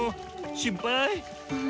心配！